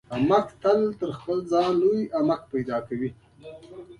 احمق تل تر خپل ځان لوی احمق پیدا کوي.